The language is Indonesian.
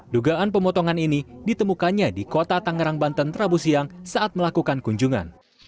dugaan pemotongan ini ditemukannya di kota tangerang banten trabu siang saat melakukan kunjungan